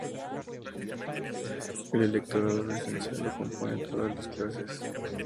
El electorado esencial lo componen todas las clases.